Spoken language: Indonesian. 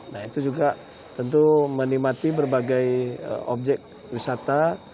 nah itu juga tentu menikmati berbagai objek wisata